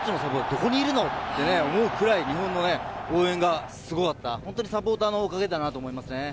どこにいるの？って思うくらい日本の応援がすごかったサポーターのおかげだなと思います。